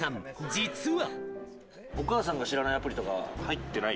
実は。